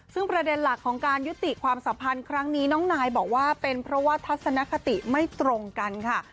ซึ่งประเด็นหลักของการยุติความสัมพันธ์ครั้งนี้น้องนายบอกว่าเป็นเพราะว่าทัศนคติไม่ตรงกันค่ะ